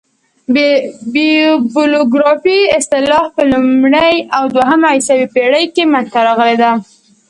بیبلوګرافي اصطلاح په لومړۍ او دوهمه عیسوي پېړۍ کښي منځ ته راغلې ده.